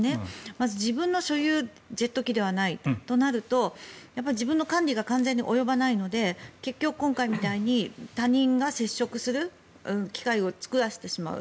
まず自分の所有ジェット機ではないとなると自分の管理が完全に及ばないので結局、今回みたいに他人が接触する機会を作らせてしまう。